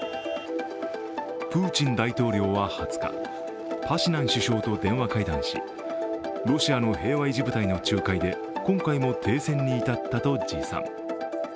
プーチン大統領は２０日、パシニャン首相と電話会談しロシアの平和維持部隊の仲介で今回も停戦に至ったと自賛。